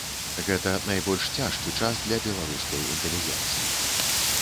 Гэта найбольш цяжкі час для беларускай інтэлігенцыі.